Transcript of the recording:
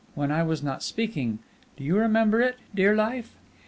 when I was not speaking. Do you remember it, dear life?